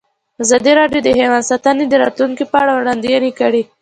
ازادي راډیو د حیوان ساتنه د راتلونکې په اړه وړاندوینې کړې.